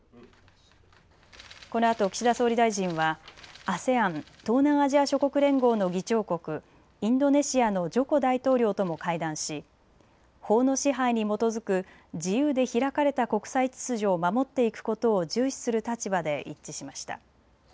このあと岸田総理大臣はＡＳＥＡＮ・東南アジア諸国連合の議長国、インドネシアのジョコ大統領とも会談し法の支配に基づく自由で開かれた国際秩序を守っていくことを重視する立場で一致しました。